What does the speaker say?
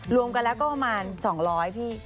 รวมกันแล้วก็ประมาณ๒๐๐พี่